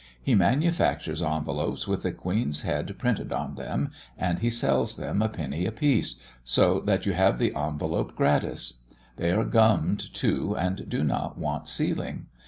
He manufactures envelopes with the Queen's head printed on them, and he sells them a penny a piece, so that you have the envelope gratis. They are gummed, too, and do not want sealing.